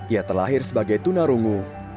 ia terlahir sebagai tunarungu